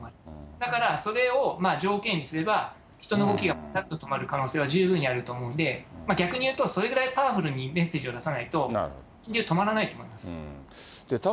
だから、それを条件にすれば、人の動きがぴたっと止まる可能性は十分にあると思うんで、逆に言うと、それぐらいパワフルにメッセージを出さないと、人流、止まらないと思います。